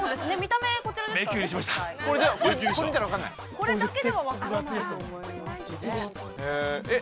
◆これだけでは分からないと思いますね。